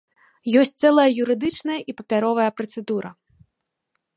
Ёсць цэлая юрыдычная і папяровая працэдура.